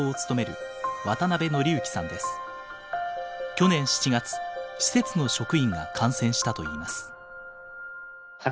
去年７月施設の職員が感染したといいます。